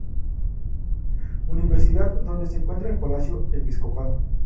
Universidad, donde se encuentra el palacio episcopal.